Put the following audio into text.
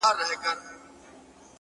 ستا پر ځنگانه اكثر ـ